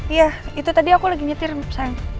iya itu tadi aku lagi nyetir saya